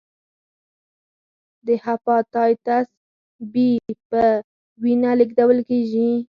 د هپاتایتس بي په وینه لېږدول کېږي.